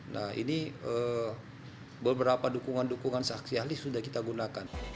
nah ini beberapa dukungan dukungan saksi ahli sudah kita gunakan